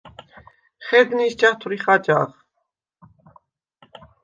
ხედ ნინს ჯათვრიხ აჯაღ?